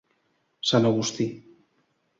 Sant Agustí.